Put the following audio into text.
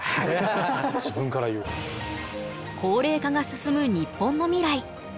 高齢化が進む日本の未来。